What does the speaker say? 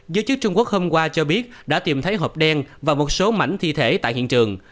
giới chức trung quốc hôm qua cho biết đã tìm thấy hộp đen và một số mảnh thi thể tại hiện trường